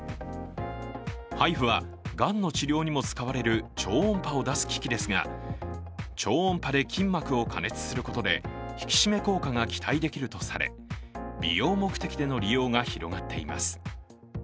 ＨＩＦＵはがんの治療にも使われる超音波を出す機器ですが超音波で筋膜を加熱することで引き締め効果が期待できるとされ美容目的での利用が広まっています。